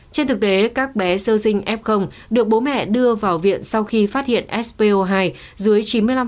trên thực tế các bé sơ sinh f được bố mẹ đưa vào viện sau khi phát hiện spo hai dưới chín mươi năm